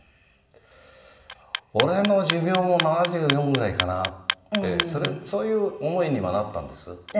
俺の寿命も７４ぐらいかなってそういう思いにはなったんです。